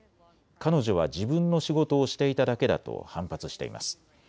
彼女は自分の仕事をしていただけだと反発しています。